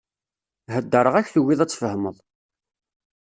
Heddreɣ-ak, tugiḍ ad tfehmeḍ.